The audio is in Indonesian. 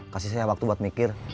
kasih saya waktu buat mikir